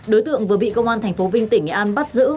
đối tượng vừa bị công an tp vinh tỉnh nghệ an bắt giữ